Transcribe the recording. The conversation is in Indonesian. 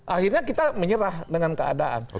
akhirnya kita menyerah dengan keadaan